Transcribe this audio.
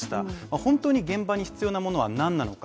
本当に現場に必要なものは何なのか。